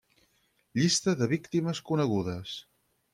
Llista de les víctimes conegudes.